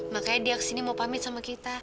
makanya dia kesini mau pamit sama kita